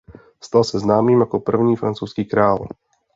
Stal se známým jako první francouzský král.